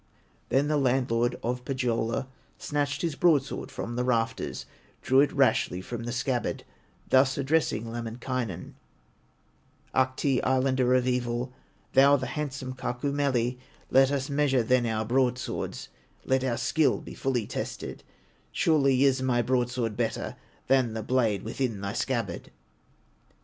Then the landlord of Pohyola Snatched his broadsword from the rafters, Drew it rashly from the scabbard, Thus addressing Lemminkainen: "Ahti, Islander of evil, Thou the handsome Kaukomieli, Let us measure then our broadswords, Let our skill be fully tested; Surely is my broadsword better Than the blade within thy scabbard."